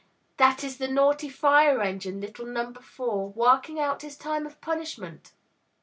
That is the naughty fire engine, little Number Four, working out his time of punishment.